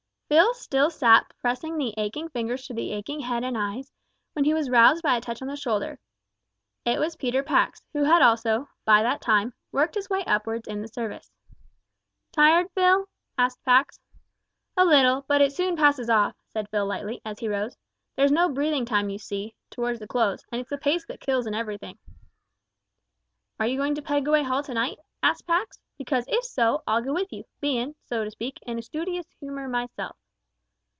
Phil still sat pressing the aching fingers to the aching head and eyes, when he was roused by a touch on the shoulder. It was Peter Pax, who had also, by that time, worked his way upwards in the service. "Tired, Phil?" asked Pax. "A little, but it soon passes off," said Phil lightly, as he rose. "There's no breathing time, you see, towards the close, and it's the pace that kills in everything." "Are you going to Pegaway Hall to night?" asked Pax, "because, if so, I'll go with you, bein', so to speak, in a stoodious humour myself."